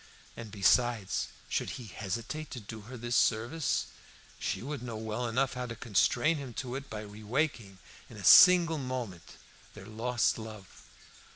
And besides, should he hesitate to do her this service, she would know well enough how to constrain him to it by re waking, in a single moment, their lost love.